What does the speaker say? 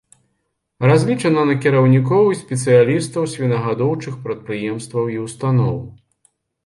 Разлічана на кіраўнікоў і спецыялістаў свінагадоўчых прадпрыемстваў і ўстаноў.